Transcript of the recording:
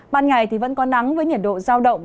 ban ngày thì vẫn có nắng với nhiệt độ giao động